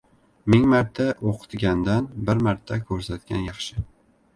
• Ming marta o‘qitgandan bir marta ko‘rsatgan yaxshi.